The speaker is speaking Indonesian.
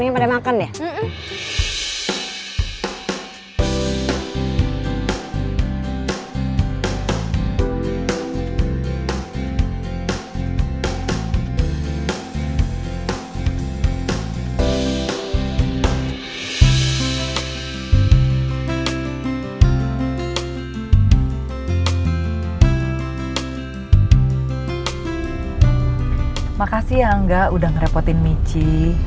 terima kasih ya angga udah ngerepotin michi